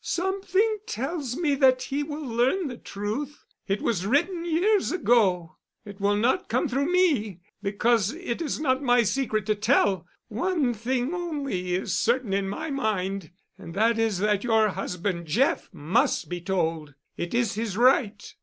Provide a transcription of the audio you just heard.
"Something tells me that he will learn the truth. It was written years ago. It will not come through me—because it is not my secret to tell. One thing only is certain in my mind, and that is that your husband, Jeff, must be told. It is his right."